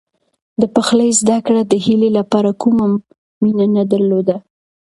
د پخلي زده کړه د هیلې لپاره کومه مینه نه درلوده.